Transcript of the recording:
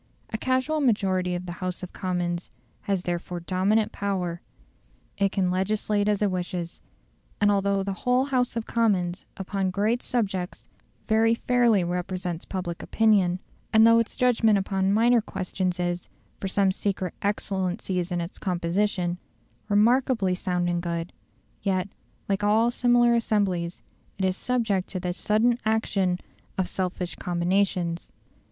A casual majority of the House of Commons has therefore dominant power: it can legislate as it wishes. And though the whole House of Commons upon great subjects very fairly represents public opinion, and though its judgment upon minor questions is, from some secret excellencies in its composition, remarkably sound and good; yet, like all similar assemblies, it is subject to the sudden action of selfish combinations.